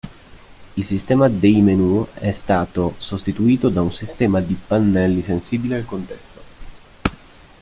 Il sistema dei menu è stato sostituito da un sistema di pannelli sensibili al contesto.